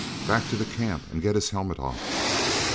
" back to the camp and get his helmet off."